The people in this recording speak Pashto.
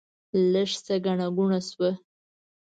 لږ څه ګڼه ګوڼه شوه.